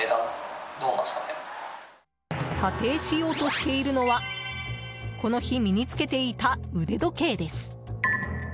査定しようとしているのはこの日身につけていた腕時計です。